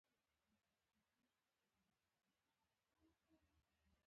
زموږ په اړه هم همدا خبره ده.